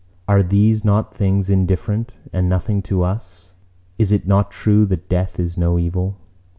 Are these not things indifferent and nothing to us? Is it not true that death is no evil?